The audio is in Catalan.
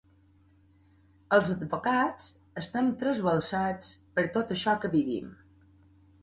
Els advocats estem trasbalsats per tot això que vivim.